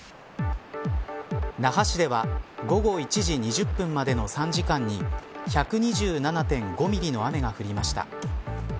那覇市では午後１時２０分までの３時間に１２７．５ミリの雨が降りました。